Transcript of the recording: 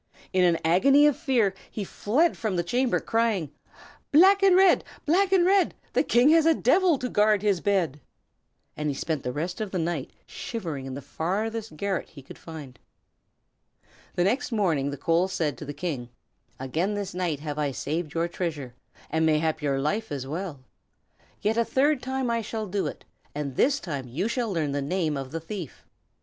In an agony of fear he fled from the chamber, crying, "Black and red! black and red! The King has a devil to guard his bed." And he spent the rest of the night shivering in the farthest garret he could find. The next morning the coal said to the King: "Again this night have I saved your treasure, and mayhap your life as well. Yet a third time I shall do it, and this time you shall learn the name of the thief.